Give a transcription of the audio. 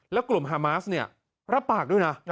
แล้วกลุ่มฮามาสเนี่ยรับปากด้วยนะ